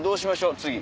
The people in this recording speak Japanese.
次。